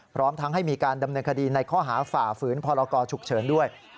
พร้อมทั้งให้มีการดำเนินคดีในข้อหาฝ่าฝืนพรกรฉุกเฉินด้วย